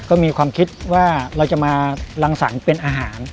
ก็มีความคิดว่าเราจะมารังสรรค์เป็นอาหาร